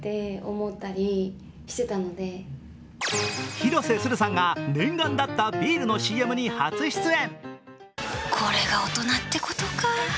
広瀬すずさんが念願だったビールのＣＭに初出演。